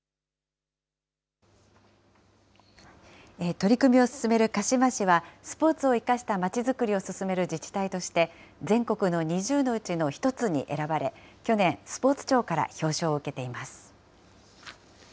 取り組みを進める鹿嶋市は、スポーツを生かしたまちづくりを進める自治体として、全国の２０のうちの１つに選ばれ、去年、スポーツ庁から表彰を受けています。